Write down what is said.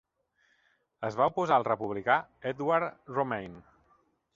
Es va oposar al republicà Edward Romaine.